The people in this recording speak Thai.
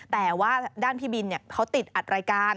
แต่ว่าด้านพี่บินเขาติดอัดรายการ